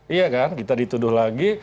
iya kan kita dituduh lagi